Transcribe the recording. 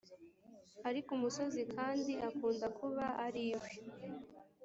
ari ku misozi kandi akunda kuba ari iwe